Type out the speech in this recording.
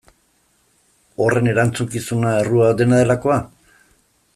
Horren erantzukizuna, errua, dena delakoa?